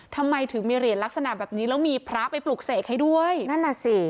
ทำไมถึงมีเหรียญลักษณะแบบนี้แล้วมีพระไปปลุกเสกให้ด้วยนั่นน่ะสิ